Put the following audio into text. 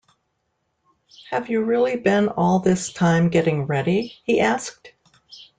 “Have you really been all this time getting ready?” he asked.